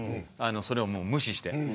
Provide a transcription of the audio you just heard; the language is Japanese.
それを無視して。